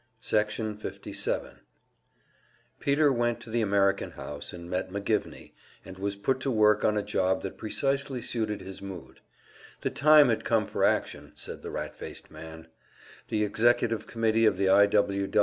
Section 57 Peter went to the American House and met McGivney, and was put to work on a job that precisely suited his mood. The time had come for action, said the rat faced man. The executive committee of the I.